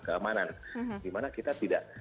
keamanan di mana kita tidak